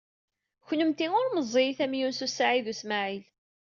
Kennemti ur meẓẓiyit am Yunes u Saɛid u Smaɛil.